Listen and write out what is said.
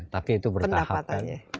tapi itu bertahap kan